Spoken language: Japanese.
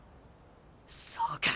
そうか。